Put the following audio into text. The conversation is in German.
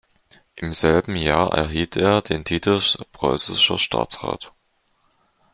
Im selben Jahr erhielt er den Titel Preußischer Staatsrat.